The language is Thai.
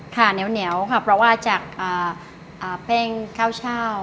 ค่ะเหนียวค่ะเพราะว่าจากแป้งข้าวเช่า